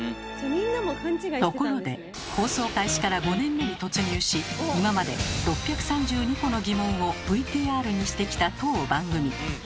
ところで放送開始から５年目に突入し今まで６３２個の疑問をＶＴＲにしてきた当番組。